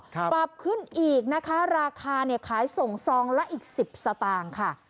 ปรับขึ้นอีกนะคะราคาเนี่ยขายส่งซองละอีก๑๐สตางค์ค่ะ